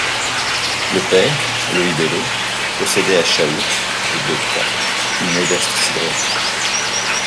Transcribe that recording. Le père, Louis Bellot, possédait à Chaource, route de Troyes, une modeste cidrerie.